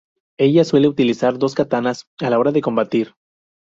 Ella suele utilizar dos katanas a la hora de combatir.